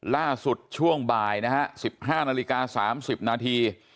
ช่วงบ่ายนะฮะ๑๕นาฬิกา๓๐นาที